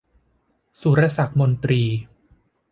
สุรศักดิ์มนตรี